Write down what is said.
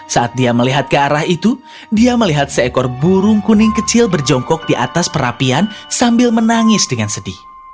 saat dia melihat ke arah itu dia melihat seekor burung kuning kecil berjongkok di atas perapian sambil menangis dengan sedih